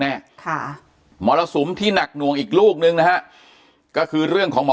แน่ค่ะมรสุมที่หนักหน่วงอีกลูกนึงนะฮะก็คือเรื่องของหมอ